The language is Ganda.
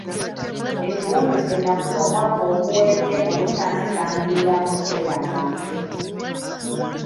Ekiwundu kye nafuna omwaka oguwedde mu butanwa kyanviiramu tetanansi.